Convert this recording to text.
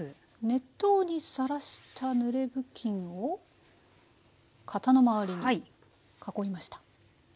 熱湯にさらしたぬれ布巾を型の周りに囲いました。